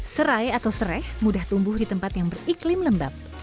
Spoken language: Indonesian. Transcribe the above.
serai atau serai mudah tumbuh di tempat yang beriklim lembab